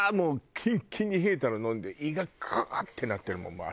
キンキンに冷えたの飲んで胃がクーってなってるもん朝。